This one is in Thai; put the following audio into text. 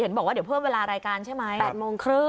เห็นบอกว่าเดี๋ยวเพิ่มเวลารายการใช่ไหม